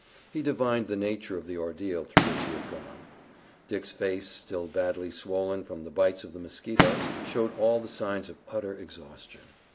He divined the nature of the ordeal through which he had gone. Dick's face, still badly swollen from the bites of the mosquitoes, showed all the signs of utter exhaustion.